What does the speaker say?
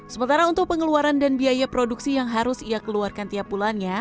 sementara untuk pengeluaran dan biaya produksi yang harus ia keluarkan tiap bulannya